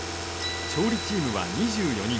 調理チームは２４人。